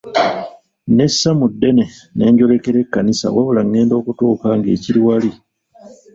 Nnessa mu ddene ne njolekera ekkanisa wabula ngenda okutuuka ng'ekiri wali!